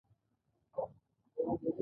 رښتوني عمل ښه دی.